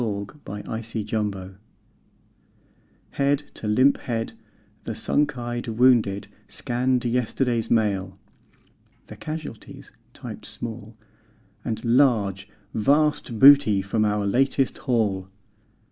Smile, Smile, Smile Head to limp head, the sunk eyed wounded scanned Yesterday's Mail; the casualties (typed small) And (large) Vast Booty from our Latest Haul.